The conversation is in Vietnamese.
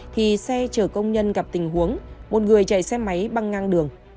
thì xe chở công nhân gặp tình huống một người chạy xe máy băng ngang đường